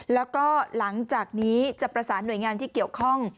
แล้วก็หลังจากนี้จะประสานหน่วยงานที่เกี่ยวข้อง